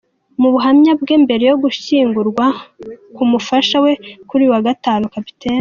Mu buhamya bwe mbere yo gushyingurwa k’umufasha we kuri uyu wa Gatanu, Capt.